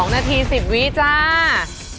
๒นาที๑๐วิจาค์